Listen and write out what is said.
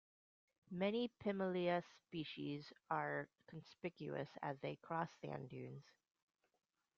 Many "Pimelia" species are conspicuous as they cross sand dunes.